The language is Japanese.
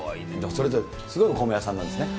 それですごいお米屋さんなんですね。